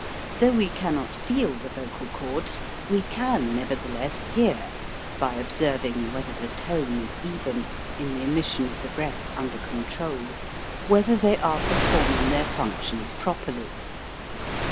Though we cannot feel the vocal cords, we can, nevertheless, hear, by observing whether the tone is even, in the emission of the breath under control, whether they are per forming their functions properly.